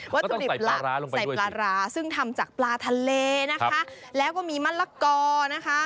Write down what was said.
ถุดิบละใส่ปลาร้าซึ่งทำจากปลาทะเลนะคะแล้วก็มีมะละกอนะคะ